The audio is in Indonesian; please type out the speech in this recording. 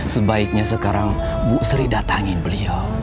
sebaiknya sekarang bu sri datangin beliau